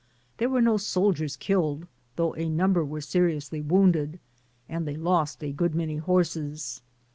There were no soldiers killed, though a number were seriously wounded, and they lost a good many horses.